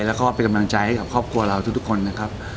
แล้วก็เป็นกำลังใจให้กับครอบครัวเราทุกคนนะครับ